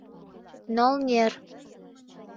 — Нолнер!